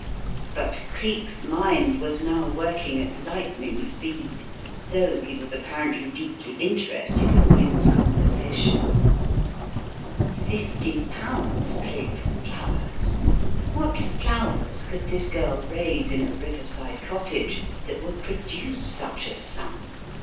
But Cleek's mind was now working at lightning speed, though he was apparently deeply interested in Wynne's conversation. Fifty pounds paid for flowers. What flowers could this girl raise in a riverside cottage that would produce such a sum?